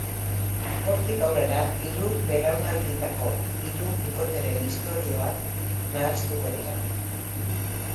Hortik aurrera, hiru belaunalditako hiru bikoteren istorioak nahastuko dira.